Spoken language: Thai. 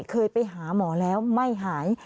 เคยไปหาหมอแล้วไม่หาย